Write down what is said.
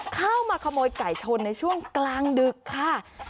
เข้ามาขโมยไก่ชนในช่วงกลางดึกค่ะ